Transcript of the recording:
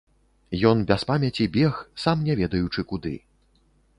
Ён без памяці бег, сам не ведаючы куды.